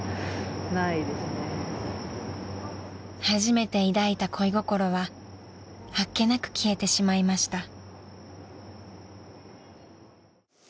［初めて抱いた恋心はあっけなく消えてしまいました］